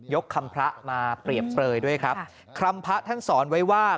คำพระมาเปรียบเปลยด้วยครับคำพระท่านสอนไว้ว่า